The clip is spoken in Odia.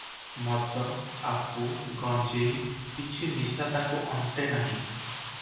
ମଦ, ଆପୁ, ଗଞ୍ଜେଇ କିଛି ନିଶା ତାକୁ ଅଣ୍ଟେ ନାହିଁ ।